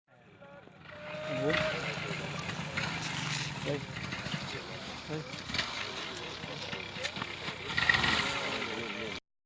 อีกสิ่งที่มีดาวนี้วันนี้มีปีศาสตร์